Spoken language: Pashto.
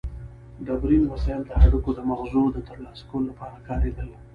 ډبرین وسایل د هډوکو د مغزو د ترلاسه کولو لپاره کارېدل.